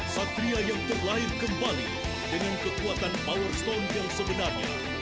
satria yang terlahir kembali dengan kekuatan powerstone yang sebenarnya